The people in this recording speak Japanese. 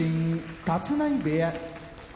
立浪部屋